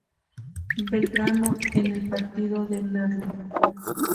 Belgrano en el partido de Merlo.